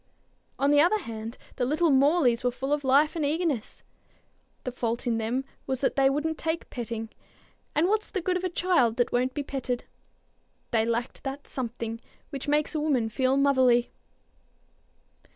On the other hand, the little Morleys were full of life and eagerness. The fault in them was that they wouldn't take petting; and what's the good of a child that won't be petted? They lacked that something which makes a woman feel motherly.